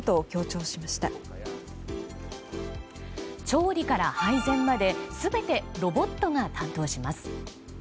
調理から配膳まで全てロボットが担当します。